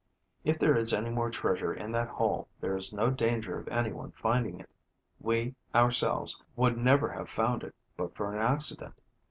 If there is any more treasure in that hole there is no danger of anyone finding it. We, ourselves, would never have found it but for an accident.